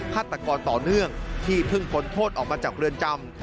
ฆาตกรต่อเนื่องที่เพิ่งพ้นโทษออกมาจากเรือนจำ